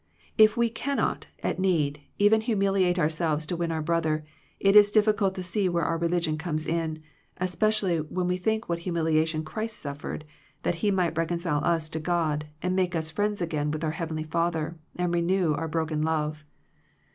If we cannot, at need, even humiliate ourselves to win our brother, it is diffi cult to see where our religion comes in, especially when we think what humilia tion Christ suffered, that He might recon cile us to God, and make us friends again with our heavenly Father, and renew our broken love.